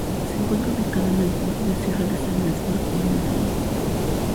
Se encuentra ubicado en el centro de la sierra de San Luis, Falcón, Venezuela.